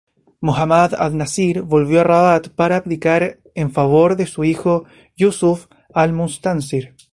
Muhámmad an-Násir volvió a Rabat para abdicar en favor de su hijo Yúsuf al-Mustánsir.